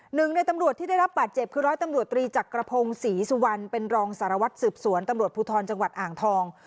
หนึ่งในตำรวจที่ได้รับบาดเจ็บคือร้อยตำรวจตรีจักรพงศรีสุวรรณเป็นรองสารวัตรสืบสวนตำรวจภูทรจังหวัดอ่างทอง